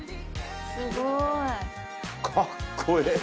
すごい。